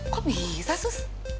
kok bisa sus